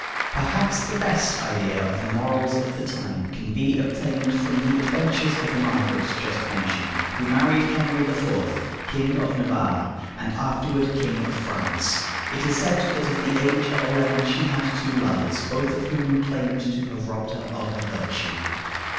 Perhaps the best idea of the morals of the time can be obtained from the adventures of the Margaret just mentioned, who married Henry IV., King of Navarre, and afterward King of France. It is said that at the age of eleven she had two lovers, both of whom claimed to have robbed her of her virtue.